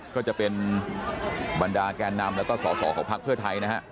ก็จะเป็นบรรดาแกนนำแล้วก็สอสอของพักเพื่อไทยนะฮะ